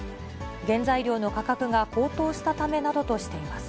原材料の価格が高騰したためなどとしています。